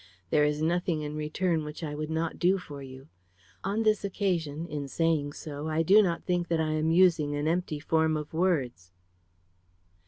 There is nothing in return which I would not do for you. On this occasion in saying so I do not think that I am using an empty form of words."